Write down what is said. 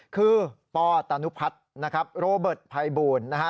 คือป้อตานุพัฒน์โรเบิร์ตไพบูลนะครับ